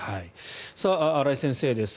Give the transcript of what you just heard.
新井先生です。